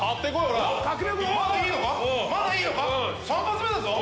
３発目だぞ。